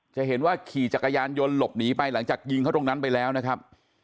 จะเห็นว่าขี่จักรยานยนต์หลบหนีไปหลังจากยิงเขาตรงนั้นไปแล้วนะครับ